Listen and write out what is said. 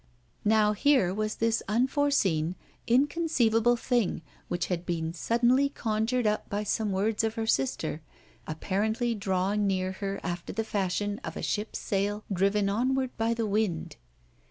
Now, here was this unforeseen, inconceivable thing, which had been suddenly conjured up by some words of her sister, apparently drawing near her after the fashion of a ship's sail driven onward by the wind.